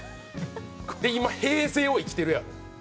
で今平成を生きてるやろ？